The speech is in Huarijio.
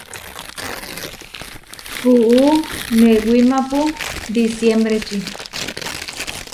Puú newímapu disiémbreči.